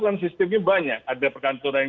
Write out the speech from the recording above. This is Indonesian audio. kan sistemnya banyak ada perkantoran yang